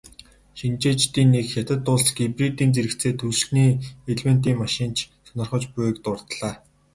Шинжээчдийн нэг "Хятад улс гибридийн зэрэгцээ түлшний элементийн машин ч сонирхож буй"-г дурдлаа.